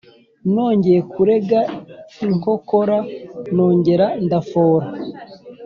Nongeye kurega inkokora nongera ndafora